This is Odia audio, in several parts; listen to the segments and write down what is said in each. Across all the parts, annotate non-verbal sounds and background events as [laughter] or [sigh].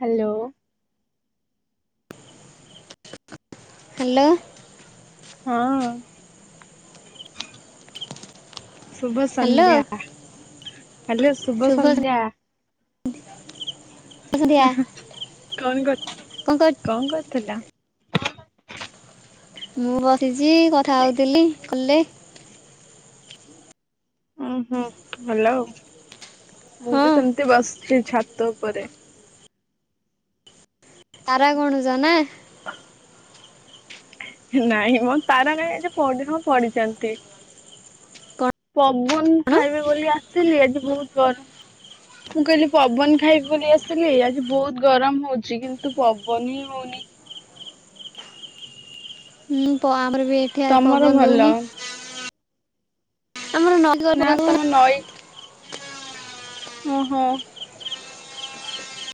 ହ୍ୟାଲୋ। [inaudible] ହ୍ୟାଲୋ। ହଁ। ଶୁଭ ହ୍ୟାଲୋ ସଂନ୍ଧ୍ୟା। ହାଲୋ ଶୁଭ ସଂନ୍ଧ୍ୟା। [inaudible] ସନ୍ଧ୍ୟା କଣ କର କଣ କରୁ କରୁଥିଲ? ମୁଁ ବସିଛି କଥା ହଉଥିଲି କଲେ ଓଁ ହୁଁ ଭଲ ଆଉ ମୁଁ ହଁ ବି ସେମତି ବସ ସେ ଛାତ ଉପରେ ତାରା ଗଣୁଛ ନା? [inaudible] ନାଇଁ ମ ତାରା କାଇଁ ଆଜି ପଡ଼ି ହଁ ପଡିଛନ୍ତି। ପବନ କଣ ଖାଇବେ ବୋଲି ଆସିଲି ଆଜି ବହୁତ ଗରମ ମୁଁ କହିଲି ପବନ ଖାଇବି ବୋଲି ଆସିଲି ଆଜି ବହୁତ ଗରମ ହଉଛି କିନ୍ତୁ ପବନ ହିଁ ହଉନି। [inaudible] ହଁ ଆମର ବି ଏଠି ଆଜି ତମର ପବନ ଭଲ ଦଉନି। ଆମର ନଦୀ ନା ତମ [unintelligible] ଓ ହୋ।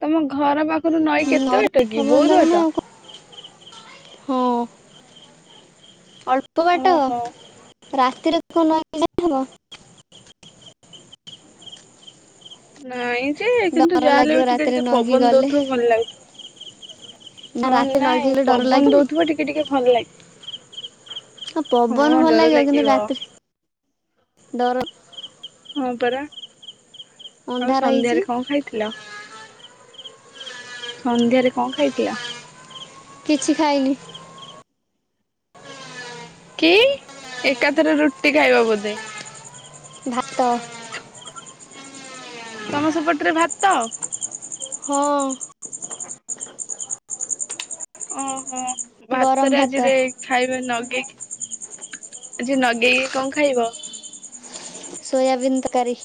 ତମ ଘର ପାଖରୁ ନଈ ଦବନା ନଈରେ କେତେବାଟ କି ପବନ ବହୁତ ଦବନା ବାଟ? ଆଉ କଣ ହଁ ଅଳ୍ପ ବାଟ। ଓହୋ ରାତିରେ [unintelligible] ହବ ନାଇଁ ଯେ କିନ୍ତୁ, ଡର ଯାହାହେଲେ ଲାଗିବ ବି ଟିକେ ରାତିରେ ଟିକେ ନଈକି ପବନ ଗଲେ ଦଉଥିବ ଭଲ ଲାଗୁଥିବ। ନା ହଁ ରାତିରେ ନଈକି ନାଇଁ ଗଲେ ଡର ପବନ ଲାଗେନି ଦଉଥିବ, ଟିକେ ଟିକେ ଭଲ ଲାଗେ। ହଁ ପବନ ହଁ, ଭଲ ଡର କିନ୍ତୁ ଲାଗିବ। ରାତିରେ ଡର ହଁ, ପରା। ଆଉ ଅନ୍ଧାର ହେଇଛି ସନ୍ଧ୍ୟାରେ କଣ ଖାଇଥିଲ? ସନ୍ଧ୍ୟାରେ କଣ ଖାଇଥିଲ? କିଛି ଖାଇନି। କି ଏକାଥରେ ରୁଟି ଖାଇବ ବୋଧେ? ଭାତ। ତମ ସେପଟରେ ଭାତ? ହଁ। ଓହୋ ଗରମ ଭାତ ଭାତରେଆଜିରେ ଖାଇବେ ନଗେଇ କି ଆଜି ନଗେଇକି କଣ ଖାଇବ? ସୋୟବୀନ୍ ତକାରୀ।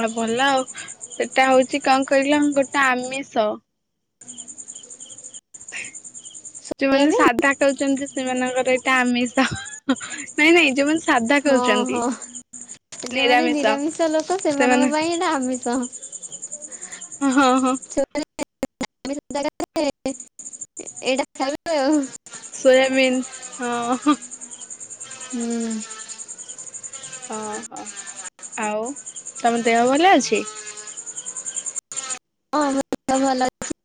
ହଁ ଭଲ ଆଉ ସେଟା ହୋଉଚି କଣ କହିଲ ଗୋଟେ ଆମିଷ। ଯୋଉମାନେ ସୋୟାବିନ୍ ସାଧା ଉଚନ୍ତି ସେମାନଙ୍କର ଏଇଟା ଆମିଷ ନାଇଁ ନାଇଁ ଯୋଉମାନେ ସ୍ ହଁ ହଁ। ଯୋଉମାନେ ନିରାମିଷ ଲୋକ, ସେମାନଙ୍କ ସେମାନେ ପାଇଁ ଏଟା ଆମିଷ। ଅ ହଁ। ହଁ [unintelligible] ଆମିଷ ଜାଗାରେ ଏଇଟା ଖାଇବ ଆଉ। ସୋୟାବୀନ୍ ହଁ। ହୁଁ। ଓହୋ ଆଉ ତମ ଦେହ ଭଲ ଅଛି? ଦେହ ଭଲ ଅଛି।